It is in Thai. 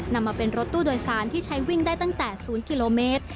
นำมาเป็นรถตู้โดยสารที่ใช้วิ่งได้ตั้งแต่๐กิโลเมตร